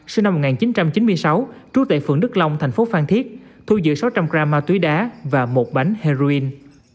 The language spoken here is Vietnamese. sinh năm một nghìn chín trăm chín mươi sáu trú tại phường đức long thành phố phan thiết thu giữ sáu trăm linh gram ma túy đá và một bánh heroin